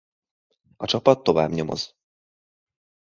A csapat tovább nyomoz.